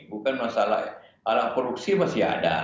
bukan masalah alang produksi masih ada